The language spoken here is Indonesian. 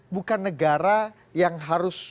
bukan negara yang harus